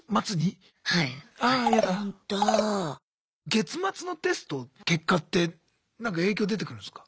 月末のテストの結果ってなんか影響出てくるんすか？